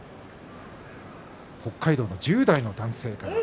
北海道の１０代の男性から。